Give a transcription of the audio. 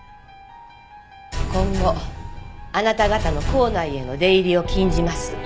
今後あなた方の校内への出入りを禁じます。